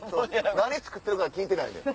何作ってるか聞いてないねん。